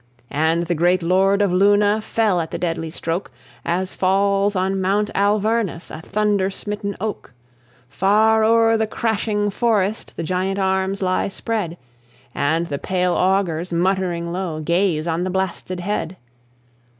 And the great Lord of Luna Fell at the deadly stroke, As falls on Mount Alvernus A thunder smitten oak. Far o'er the crashing forest The giant arms lie spread; And the pale augurs, muttering low, Gaze on the blasted head.